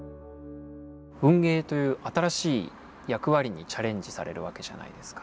運営という新しい役割にチャレンジされるわけじゃないですか。